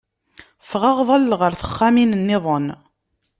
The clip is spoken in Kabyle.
Ffɣeɣ ḍalleɣ ɣer texxamin nniḍen.